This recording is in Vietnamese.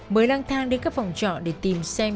mới lang thang đi các phòng trọ để tìm xem